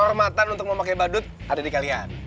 kehormatan untuk mau pakai badut ada di kalian